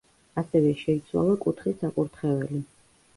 ასევე შეიცვალა კუთხის საკურთხეველი.